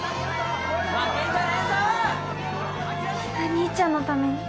みんな兄ちゃんのために。